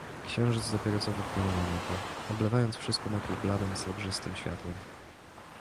"Księżyc dopiero co wypłynął na niebo, oblewając wszystko naokół bladem, srebrzystem światłem."